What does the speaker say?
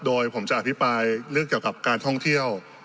โดยผมจะอภิปรายเรื่องเกี่ยวกับการท่องเที่ยว